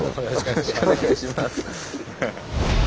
よろしくお願いします。